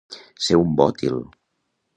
Ser un bòtil.